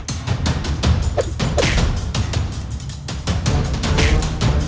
gimana kalau citizen mocknya sendiri